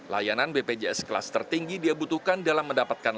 layanan bpjs kelas tertinggi dia butuhkan dalam mendapatkan